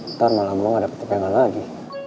ntar malam lo gak dapet tipe yang lagi